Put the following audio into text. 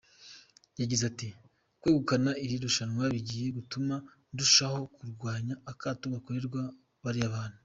Yagize ati “Kwegukana iri rushanwa bigiye gutuma ndushaho kurwanya akato gakorerwa bariya bantu.